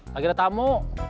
lagi ada tamu